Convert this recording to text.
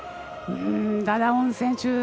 ダダオン選手